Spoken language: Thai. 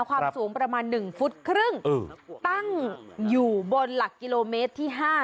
ความสูงประมาณ๑ฟุตครึ่งตั้งอยู่บนหลักกิโลเมตรที่๕